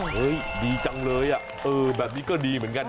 เฮ้ยดีจังเลยแบบนี้ก็ดีเหมือนกัน